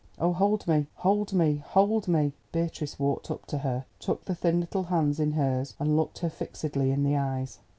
Oh, hold me, hold me, hold me!" Beatrice walked up to her, took the thin little hands in hers, and looked her fixedly in the eyes.